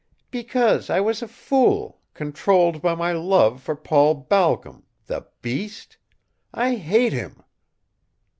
"Because I was a fool, controlled by my love for Paul Balcom the beast! I hate him!"